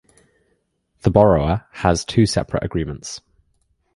The borrower has two separate agreements.